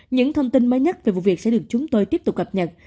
những thông tin mới nhất về vụ việc sẽ được chúng tôi tiếp tục cập nhật